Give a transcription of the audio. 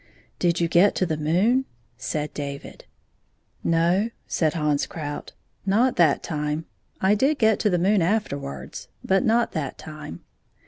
" Did you get to the moon 1 " said David. " No," said Hans Krout, " not that time. I did get to the moon afterwards, but not that time."